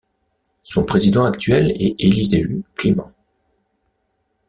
Son président actuel est Eliseu Climent.